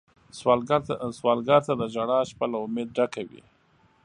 سوالګر ته د ژړا شپه له امید ډکه وي